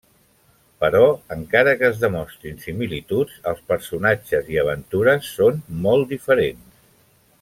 Però encara que es demostrin similituds, els personatges i aventures són molt diferents.